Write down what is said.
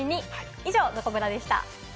以上、どこブラでした。